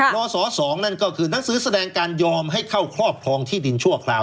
นศ๒นั่นก็คือหนังสือแสดงการยอมให้เข้าครอบครองที่ดินชั่วคราว